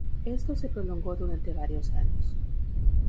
Esto se prolongó durante varios años.